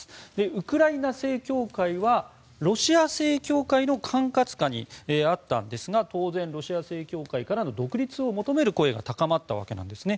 ウクライナ正教会はロシア正教会の管轄下にあったんですが当然、ロシア正教会からの独立を求める声が高まったんですね。